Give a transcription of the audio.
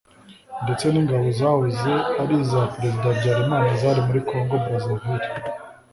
ndetse n’ingabo zahoze ari iza President Habyarimana zari muri Congo Brazzaville